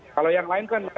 kalau yang lain kan